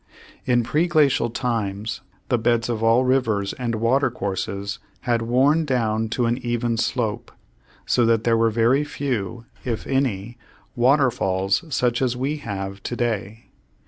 In preglacial times the beds of all rivers and water courses had worn down to an even slope, so that there were very few, if any, waterfalls such as we have to day.